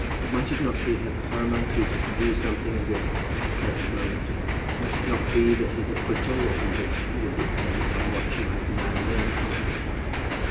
Might it not be her paramount duty to do something of this at the present moment? Might it not be that his acquittal or conviction would depend on what she might now learn from him?